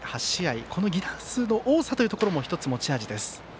この犠打数の多さというところも持ち味です。